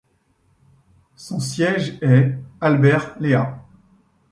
Son siège est Albert Lea.